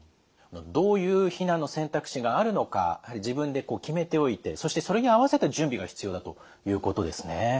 どういう避難の選択肢があるのか自分で決めておいてそしてそれに合わせた準備が必要だということですね。